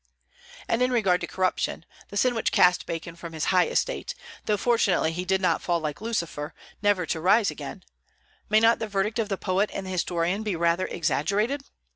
And in regard to corruption, the sin which cast Bacon from his high estate, though fortunately he did not fall like Lucifer, never to rise again, may not the verdict of the poet and the historian be rather exaggerated?